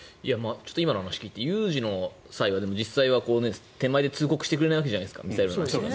今の話を聞いて有事の際は実際に手前で通告してくれないわけじゃないですかミサイルは。